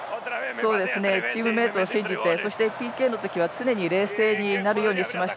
チームメートを信じてＰＫの時は常に冷静になるようにしました。